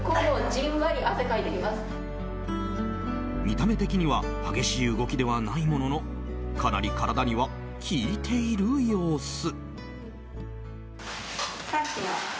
見た目的には激しい動きではないもののかなり体には効いている様子。